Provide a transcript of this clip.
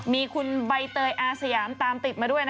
มีคุณใบเตยอาสยามตามติดมาด้วย